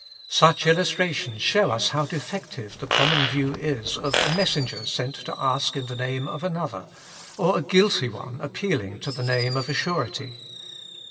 Such illustrations show us how defective the com mon view is of a messenger sent to ask in the name of another, or a guilty one appealing to the name of a surety.